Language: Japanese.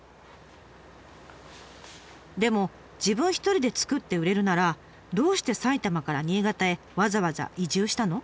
でも自分一人で作って売れるならどうして埼玉から新潟へわざわざ移住したの？